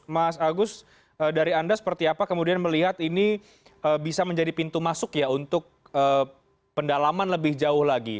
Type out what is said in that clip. mas agus dari anda seperti apa kemudian melihat ini bisa menjadi pintu masuk ya untuk pendalaman lebih jauh lagi